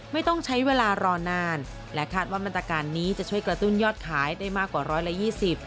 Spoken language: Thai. ไม่ต้องใช้เวลารอนานและคาดว่ามาตรการนี้จะช่วยกระตุ้นยอดขายได้มากกว่าร้อยละยี่สิบ